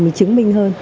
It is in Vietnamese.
mình chứng minh hơn